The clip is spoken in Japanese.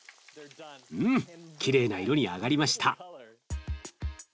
うんきれいな色に揚がりました。